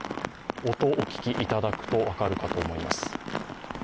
音、お聞きいただくと分かるかと思います。